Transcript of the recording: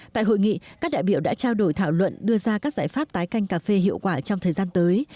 tại hội nghị các đại biểu đã trao đổi thảo luận đưa ra các giải pháp tái canh cà phê hiệu quả trong thời gian tới